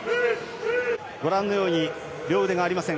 ご覧のように両腕がありません